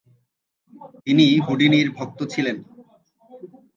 তিনি হুডিনির ভক্ত ছিলেন।